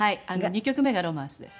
２曲目が『ロマンス』です。